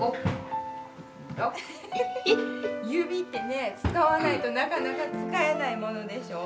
指ってね使わないとなかなか使えないものでしょ。